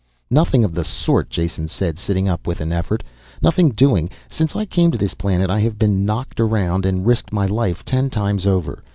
"Nothing of the sort!" Jason said, sitting up with an effort. "Nothing doing! Since I came to this planet I have been knocked around, and risked my life ten times over.